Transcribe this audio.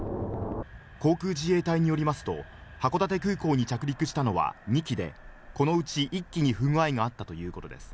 航空自衛隊によりますと、函館空港に着陸したのは２機で、このうち１機に不具合があったということです。